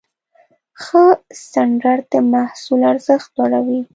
ښه سټنډرډ د محصول ارزښت لوړوي.